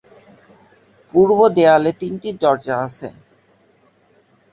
পূর্ব দেয়ালে তিনটি দরজা আছে।